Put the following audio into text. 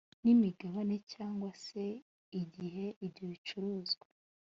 n imigabane cyangwa se igihe ibyo bicuruzwa